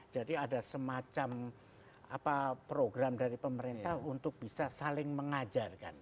jadi ada semacam program dari pemerintah untuk bisa saling mengajarkan